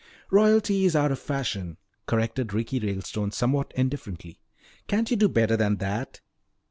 "Royalty is out of fashion," corrected Ricky Ralestone somewhat indifferently. "Can't you do better than that?"